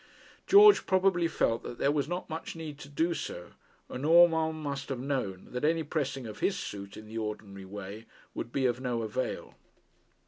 George probably felt that there was not much need to do so, and Urmand must have known that any pressing of his suit in the ordinary way would be of no avail.